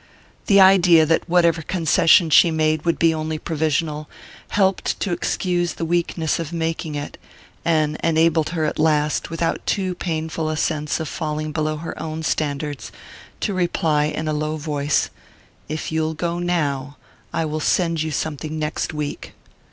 The idea that whatever concession she made would be only provisional, helped to excuse the weakness of making it, and enabled her at last, without too painful a sense of falling below her own standards, to reply in a low voice: "If you'll go now, I will send you something next week."